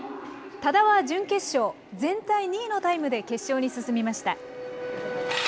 多田は準決勝、全体２位のタイムで決勝に進みました。